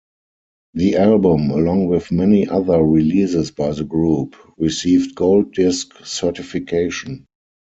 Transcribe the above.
The album, along with many other releases by the group, received gold disc certification.